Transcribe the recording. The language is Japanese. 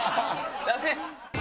ダメ。